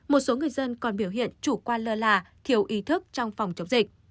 một số người dân còn biểu hiện chủ quan lơ là thiếu ý thức trong phòng chống dịch